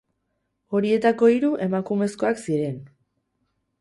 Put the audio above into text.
Horietako hiru emakumezkoak ziren.